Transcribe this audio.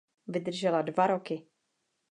Vydržela dva roky.